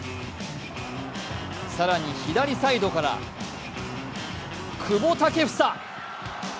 更に左サイドから久保建英。